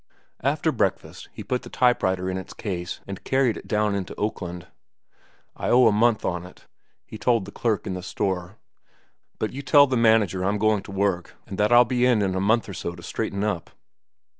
After breakfast he put the type writer in its case and carried it down into Oakland. "I owe a month on it," he told the clerk in the store. "But you tell the manager I'm going to work and that I'll be in in a month or so and straighten up."